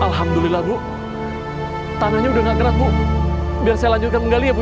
alhamdulillah bu tanahnya sudah tidak keras bu biar saya lanjutkan menggali ya bu